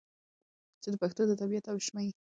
چې د پښتنو د طبیعي او اجتماعي ژوندون د چاپیریال